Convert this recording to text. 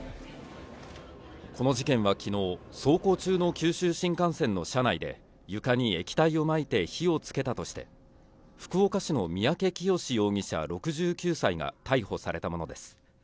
この事件は昨日、走行中の九州新幹線の車内で床に液体をまいて火をつけたとして、福岡市の三宅潔容疑者、６９歳が逮捕されたものです。